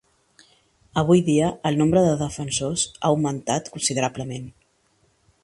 Avui dia el nombre de defensors ha augmentat considerablement.